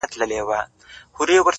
ډك د ميو جام مي د زړه ور مــات كړ.